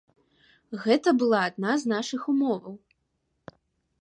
Гэта была адна з нашых умоваў.